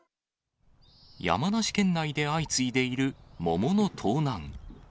山梨県内で相次いでいる桃の盗難。